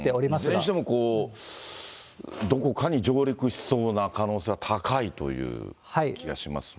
それにしても、どこかに上陸しそうな可能性は高いという気がしますね。